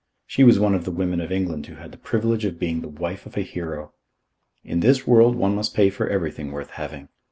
She was one of the women of England who had the privilege of being the wife of a hero. In this world one must pay for everything worth having.